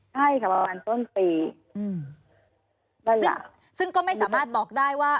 ใช่ค่ะประมาณต้นปีอืมซึ่งซึ่งก็ไม่สามารถบอกได้ว่า